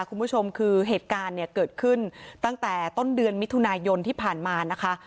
คุณผู้ชมคือเหตุการณ์เนี่ยเกิดขึ้นตั้งแต่ต้นเดือนมิถุนายนที่ผ่านมานะคะ